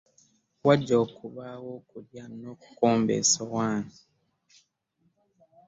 Wajja kubaawo okulya n'okukomba essowaani.